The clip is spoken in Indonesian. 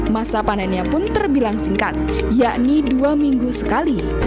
masa panennya pun terbilang singkat yakni dua minggu sekali